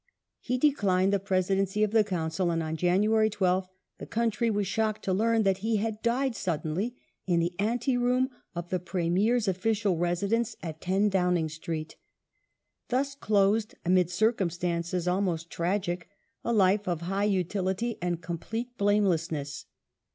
^ He declined the Presidency of the Council, and on Janu ary 12th the country was shocked to learn that he had died sud denly in the ante room of the Premier's official residence at 10 Downing Street. Thus closed, amid circumstances almost tragic, a life of high utility and complete blamelessness.